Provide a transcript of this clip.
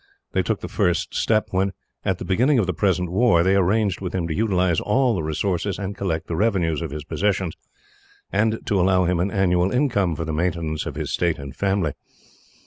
They took the first step when, at the beginning of the present war, they arranged with him to utilise all the resources and collect the revenues of his possessions, and to allow him an annual income for the maintenance of his state and family.